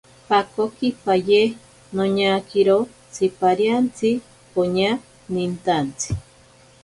Pakokipaye noñakiro tsipariantsi poña nintantsi.